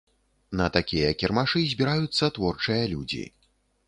На такія кірмашы збіраюцца творчыя людзі.